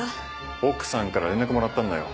奥さんから連絡もらったんだよ。